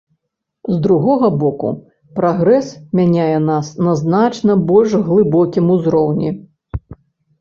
З другога боку, прагрэс мяняе нас на значна больш глыбокім узроўні.